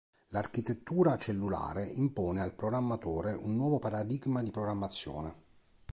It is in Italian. L'architettura cellulare impone al programmatore un nuovo paradigma di programmazione.